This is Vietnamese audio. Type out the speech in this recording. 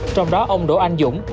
trong đó ông đỗ anh dũng